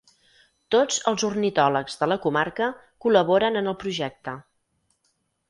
Tots els ornitòlegs de la comarca col·laboren en el projecte.